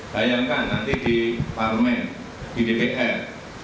bayangkan nanti di parlemen di dpr